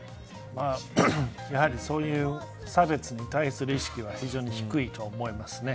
やはりそういう差別に対する意識は非常に低いと思いますね。